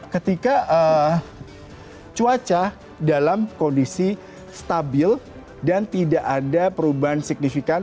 ketika cuaca dalam kondisi stabil dan tidak ada perubahan signifikan